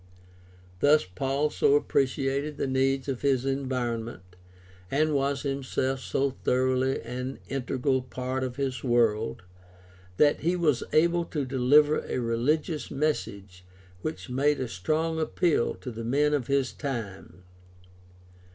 Thus Paul so appreciated the needs of his environment, and was himself so thoroughly an integral part of his world, that he was able to deliver a religious message which made a strong appeal to the men of his time.